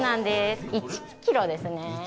１ｋｇですね。